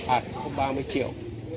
à không ba mươi triệu